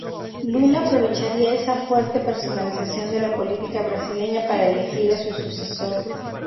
Lula aprovecharía esa fuerte personalización de la política brasileña para elegir a su sucesor.